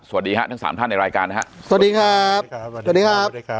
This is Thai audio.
สวัสดีฮะทั้งสามท่านในรายการนะฮะสวัสดีครับสวัสดีครับสวัสดีครับ